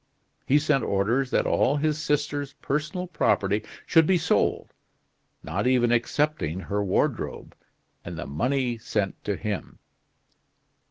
He sent orders that all his sister's personal property should be sold not even excepting her wardrobe and the money sent to him."